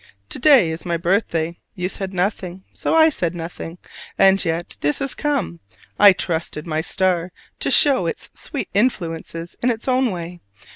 To day is my birthday! you said nothing, so I said nothing; and yet this has come: I trusted my star to show its sweet influences in its own way.